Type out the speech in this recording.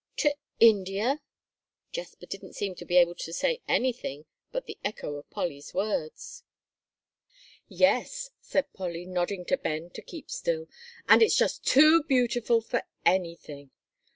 "To India!" Jasper didn't seem to be able to say anything but the echo of Polly's words. "Yes," said Polly, nodding to Ben to keep still; "and it's just too beautiful for anything."